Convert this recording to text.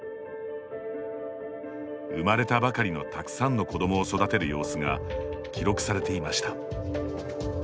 生まれたばかりの、たくさんの子どもを育てる様子が記録されていました。